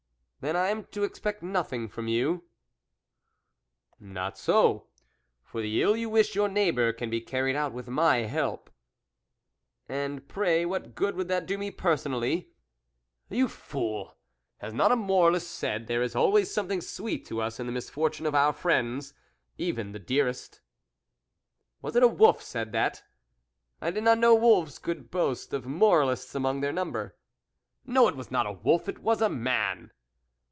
" Then I am to expect nothing from you ?"" Not so, for the ill you wish your neighbour can be carried out with my help." " And, pray, what good would that do me personally ?"" You fool ! has not a moralist said, ' There is always something sweet to us in the misfortune of our friends, even the dearest.' "" Was it a wolf said that ? I did not know wolves could boast of moralists among their number." " No, it was not a wolf, it was a man."